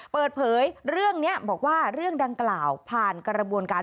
เปิดเผยเรื่องนี้บอกว่าเรื่องดังกล่าวผ่านกระบวนการ